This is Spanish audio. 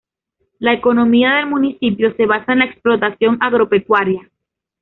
La economía del municipio se basa en la explotación agropecuaria.